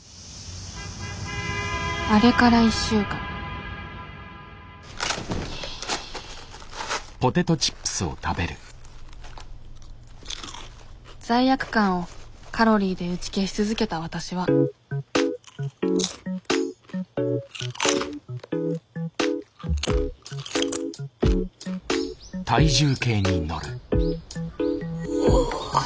あれから１週間罪悪感をカロリーで打ち消し続けたわたしはお。